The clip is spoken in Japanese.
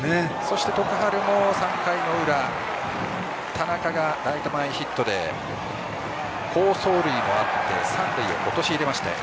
そして、徳栄も３回の裏田中がライト前ヒットで好走塁もあって三塁を陥れまして